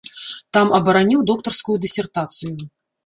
Там абараніў доктарскую дысертацыю.